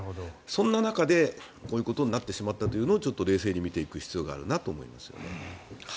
そんな中でこういうことになってしまったというのを冷静に見ていく必要があるなと思います。